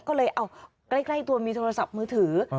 ก็เลยเอาใกล้ตัวมีโทรศัพท์มือถือ